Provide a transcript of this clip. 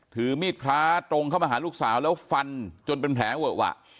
ถือมีดพระตรงเข้ามาหาลูกสาวแล้วฟันจนเป็นแผลเวอะวะ